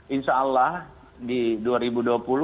insya allah kita bisa mencapai itu